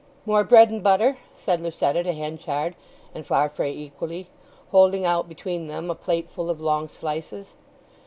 "More bread and butter?" said Lucetta to Henchard and Farfrae equally, holding out between them a plateful of long slices.